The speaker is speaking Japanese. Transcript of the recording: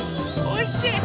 おいしい？